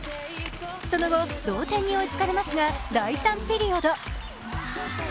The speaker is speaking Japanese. その後同点に追いつかれますが第３ピリオド。